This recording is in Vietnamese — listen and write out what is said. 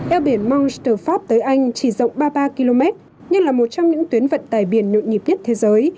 eo biển mungster pháp tới anh chỉ rộng ba mươi ba km nhưng là một trong những tuyến vận tài biển nhộn nhịp nhất thế giới